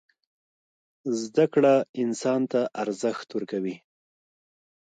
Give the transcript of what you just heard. زدکړه انسان ته ارزښت ورکوي.